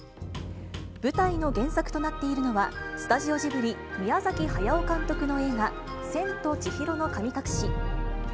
舞台の原作となっているのは、スタジオジブリ、宮崎駿監督の映画、千と千尋の神隠し。